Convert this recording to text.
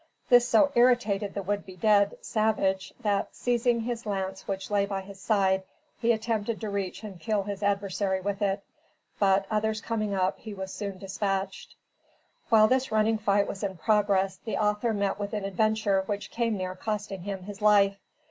This so irritated the would be dead, savage, that, seizing his lance which lay by his side, he attempted to reach and kill his adversary with it; but, others coming up, he was soon dispatched. While this running fight was in progress, the author met with an adventure which came near costing him his life.